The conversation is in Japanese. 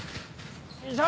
よいしょ！